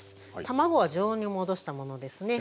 卵は常温に戻したものですね。